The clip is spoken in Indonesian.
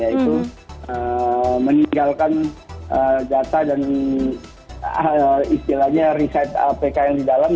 yaitu meninggalkan data dan istilahnya reset apk yang didalem